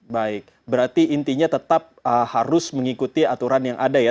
baik berarti intinya tetap harus mengikuti aturan yang ada ya